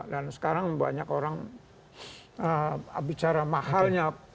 dan sekarang banyak orang bicara mahalnya